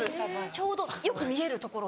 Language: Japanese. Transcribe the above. ちょうどよく見えるところに。